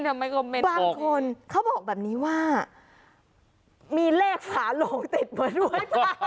บางคนเขาบอกแบบนี้ว่ามีเลขฝาโลงติดมาด้วย